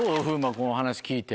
この話聞いて。